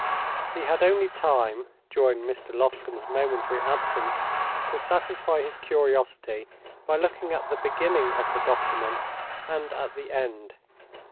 He had only time, during Mr. Loscombe's momentary absence, to satisfy his curiosity by looking at the beginning of the document and at the end.